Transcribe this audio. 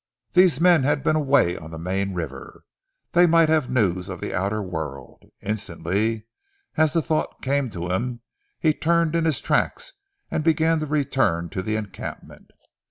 These men had been away on the main river. They might have news of the outer world. Instantly as the thought came to him, he turned in his tracks and began to return to the encampment.